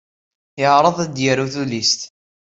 Yeɛreḍ ad d-yaru tullist.